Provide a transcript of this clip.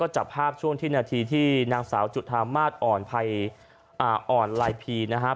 จับภาพช่วงที่นาทีที่นางสาวจุธามาตรอ่อนไพรอ่อนไลภีร์